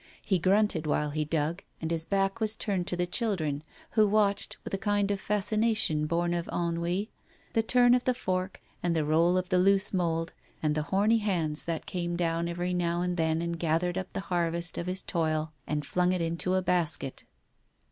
He grunted while he dug, and his back was turned to the children, who watched, with a kind of fascination born of ennui, the turn of the fork and the roll of the loose mould, and the horny hand that came down every now and then and gathered up the harvest of his toil and flung it into a basket.